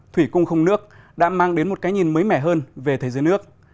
thủy cung không nước đã mang đến một cái nhìn mới mẻ hơn về thế giới nước